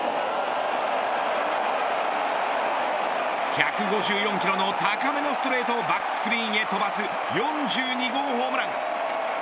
１５４キロの高めのストレートをバックスクリーンへ飛ばす４２号ホームラン。